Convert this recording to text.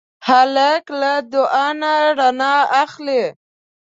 هلک له دعا نه رڼا اخلي.